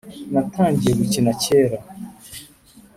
Natangiye gukina cyera